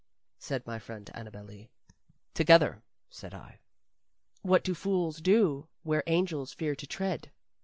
said my friend Annabel Lee. "Together," said I. "What do fools do where angels fear to tread?"